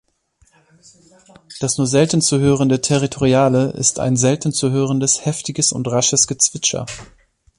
Das nur selten zu hörende Territoriale ist ein selten zu hörendes heftiges und rasches Gezwitscher.